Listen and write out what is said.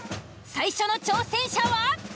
最初の挑戦者は。